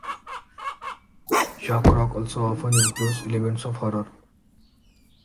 Shock rock also often includes elements of horror.